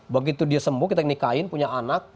begitu dia sembuh kita nikahin punya anak